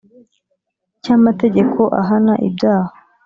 cy Amategeko ahana ibyaha